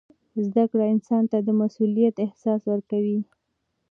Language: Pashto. زده کړه انسان ته د مسؤلیت احساس ورکوي.